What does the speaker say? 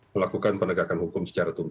melakukan pendekatan hukum